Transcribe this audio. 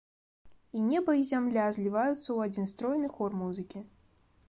І неба і зямля зліваюцца ў адзін стройны хор музыкі.